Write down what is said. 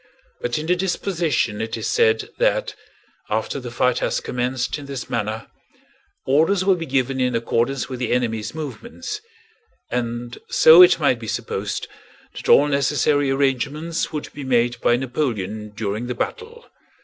But in the disposition it is said that, after the fight has commenced in this manner, orders will be given in accordance with the enemy's movements, and so it might be supposed that all necessary arrangements would be made by Napoleon during the battle.